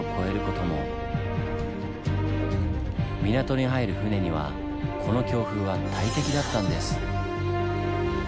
港に入る船にはこの強風は大敵だったんです。